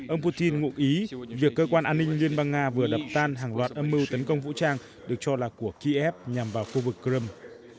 ông putin ngụ ý việc cơ quan an ninh liên bang nga vừa đập tan hàng loạt âm mưu tấn công vũ trang được cho là của kiev nhằm vào khu vực crimea